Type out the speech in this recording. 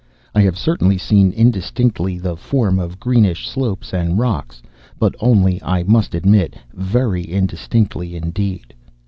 I have certainly seen indistinctly the form of greenish slopes and rocks, but only, I must admit, very indistinctly indeed.